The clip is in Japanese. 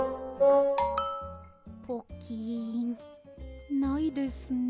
ポキンないですね。